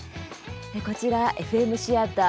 こちら「ＦＭシアター